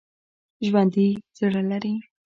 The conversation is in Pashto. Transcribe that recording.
ژوندي زړه لري